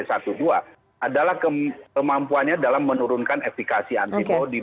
adalah kemampuannya dalam menurunkan efikasi anti covid